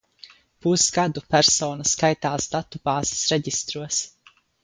Pusgadu persona skaitās datubāzes reģistros.